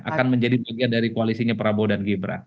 akan menjadi bagian dari koalisinya prabowo dan gibran